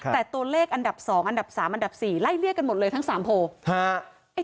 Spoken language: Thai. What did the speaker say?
แต่ตัวเลขอันดับ๒อันดับ๓อันดับ๔ไล่เรียกกันหมดเลยทั้ง๓โพล